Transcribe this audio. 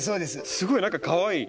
すごい何かかわいい！